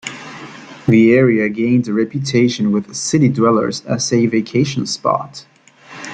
The area gained a reputation with city dwellers as a vacation spot.